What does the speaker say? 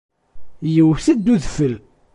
Yewwet-d udfel